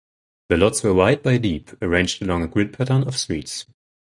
The lots were wide by deep, arranged along a grid pattern of streets.